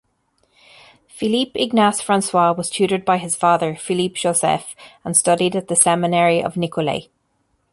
Philippe-Ignace-Francois was tutored by his father Philippe-Joseph and studied at the seminary of Nicolet.